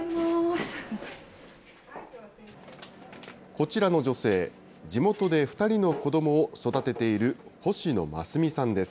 こちらの女性、地元で２人の子どもを育てている星野真澄さんです。